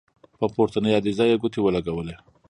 په پورتنۍ عریضه یې ګوتې ولګولې.